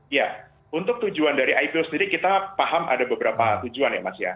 iya untuk tujuan dari ipo sendiri kita paham ada beberapa tujuan ya mas ya